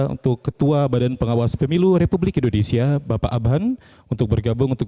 untuk ketua badan pengawas pemilu republik indonesia bapak abhan untuk bergabung untuk